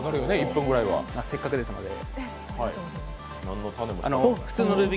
せっかくですので。